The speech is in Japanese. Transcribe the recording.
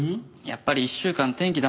やっぱり１週間天気